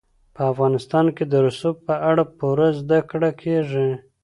په افغانستان کې د رسوب په اړه پوره زده کړه کېږي.